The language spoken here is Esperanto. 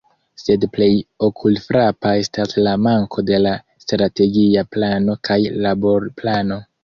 Sed plej okulfrapa estas la manko de la “Strategia Plano kaj Laborplano”.